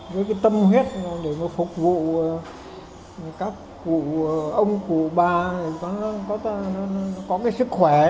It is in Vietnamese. với cái tâm huyết để phục vụ các ông cụ bà có cái sức khỏe